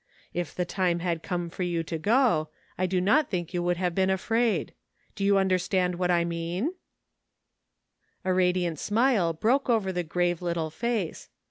Tf the time had come for you to go, I do not think you would have been afraid. Do you understand what I mean ?" 40 SOMETHING TO REMEMBER. A radiant smile broke over the grave little face.